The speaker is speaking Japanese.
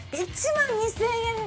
１万４０００円。